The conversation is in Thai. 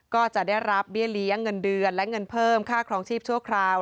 ก็จะได้รับเบี้ยเลี้ยงเงินเดือนและเงินเพิ่มค่าครองชีพชั่วคราว